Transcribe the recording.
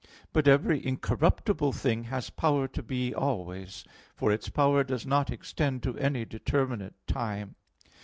But every incorruptible thing has power to be always; for its power does not extend to any determinate time.